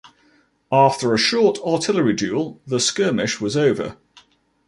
After a short artillery duel the skirmish was over.